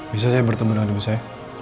bisa saya bertemu dengan ibu saya